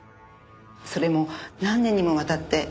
それも何年にもわたって。